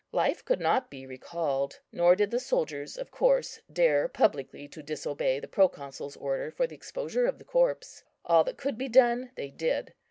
Life could not be recalled; nor did the soldiers of course dare publicly to disobey the Proconsul's order for the exposure of the corpse. All that could be done, they did.